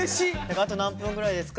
「あと何分ぐらいですか？」